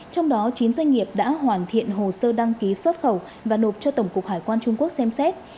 trong đó chín doanh nghiệp đã hoàn thiện hồ sơ đăng ký xuất khẩu và nộp cho tổng cục hải quan trung quốc xem xét